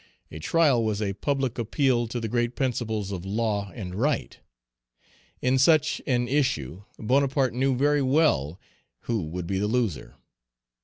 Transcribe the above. A trial was a public appeal to the great principles of law and right. In such an issue Bonaparte knew very well who would be the loser.